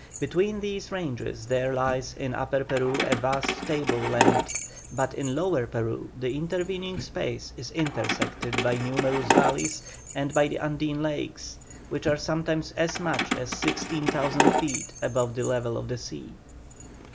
Between these ranges there lies in Upper Peru a vast tableland, but in Lower Peru the intervening space is intersected by numerous valleys and by the Andine lakes, which are sometimes as much as 16,000 feet above the level of the sea.